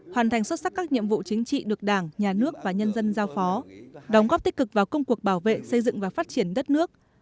hoàn thành xuất sắc các nhiệm vụ chính trị được đảng nhà nước và nhân dân giao phó đóng góp tích cực vào công cuộc bảo vệ xây dựng và phát triển đất nước